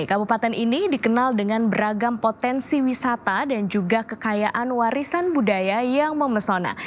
kabupaten ini dikenal dengan beragam potensi wisata dan juga kekayaan warisan budaya yang memesona